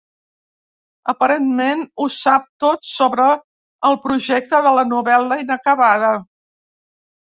Aparentment, ho sap tot sobre el projecte de la novel·la inacabada.